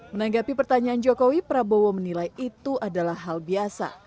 menanggapi pertanyaan jokowi prabowo menilai itu adalah hal biasa